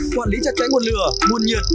quản lý chặt cháy nguồn lửa nguồn nhiệt